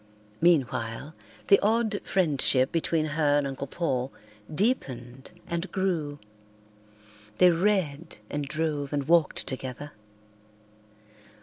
Meanwhile, the odd friendship between her and Uncle Paul deepened and grew. They read and drove and walked together.